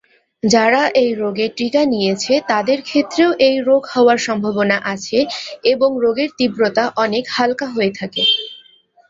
যারা এই রোগের টিকা নিয়েছে তাদের ক্ষেত্রেও এই রোগ হওয়ার সম্ভাবনা আছে তবে রোগের তীব্রতা অনেক হালকা হয়ে থাকে।